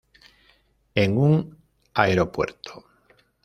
En un aeropuerto.